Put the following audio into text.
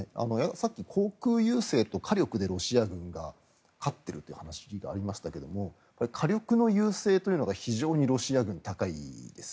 さっき航空優勢と火力でロシア軍が勝っているという話がありましたが火力の優勢というのが非常にロシア軍、高いです。